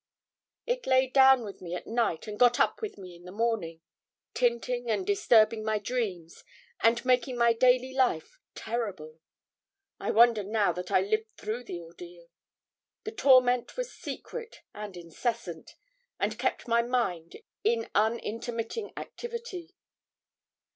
It lay down with me at night and got up with me in the morning, tinting and disturbing my dreams, and making my daily life terrible. I wonder now that I lived through the ordeal. The torment was secret and incessant, and kept my mind in unintermitting activity.